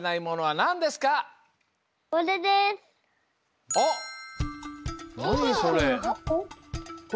なにそれ？